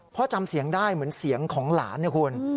จำเสียงได้เหมือนเสียงของหลานนะคุณ